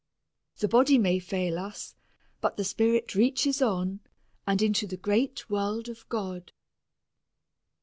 The body may fail us, but the spirit reaches on and into the great world of God.